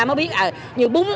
mới biết nhiều bún